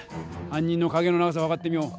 犯人の影の長さをはかってみよう。